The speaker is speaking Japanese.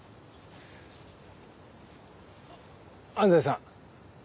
安西さん